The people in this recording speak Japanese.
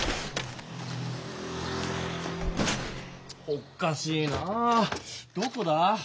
おかしいなどこだ？